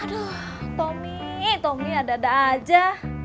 aduh tommy tommy ada dada aja